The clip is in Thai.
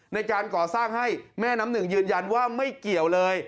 ในการก่อสร้างให้แม่น้ำหนึ่งยืนยันว่าไม่เกี่ยวเลย